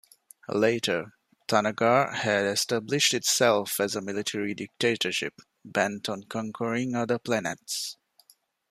Later, Thanagar had established itself as a military dictatorship bent on conquering other planets.